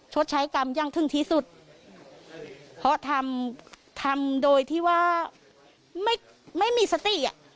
ชดใช้กรรมยังถึงที่สุดเพราะทำโดยที่ว่าไม่มีสติ